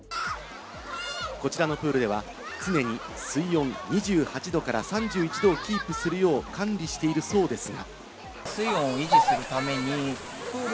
こちらのプールでは常に水温２８度から３１度をキープするよう管理しているそうですが。